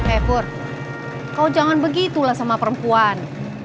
eh pur kau jangan begitu lah sama perempuan